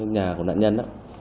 nhà của nạn nhân